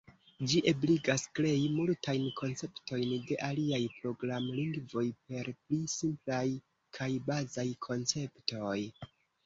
Ĝi ebligas krei multajn konceptojn de aliaj programlingvoj per pli simplaj kaj bazaj konceptoj.